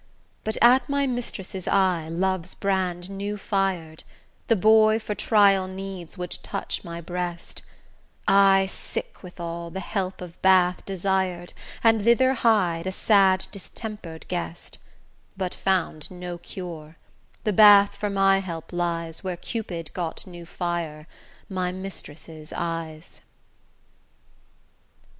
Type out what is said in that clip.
But at my mistress' eye Love's brand new fired, The boy for trial needs would touch my breast; I, sick withal, the help of bath desired, And thither hied, a sad distemper'd guest, But found no cure, the bath for my help lies Where Cupid got new fire; my mistress' eyes.